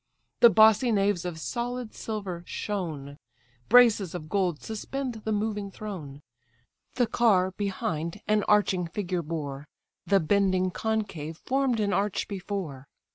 The bossy naves of sold silver shone; Braces of gold suspend the moving throne: The car, behind, an arching figure bore; The bending concave form'd an arch before.